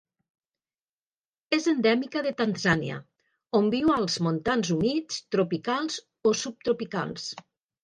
És endèmica de Tanzània, on viu als montans humits tropicals o subtropicals.